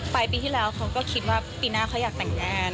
ไปปีที่แล้วเขาก็คิดว่าปีหน้าเขาอยากแต่งงาน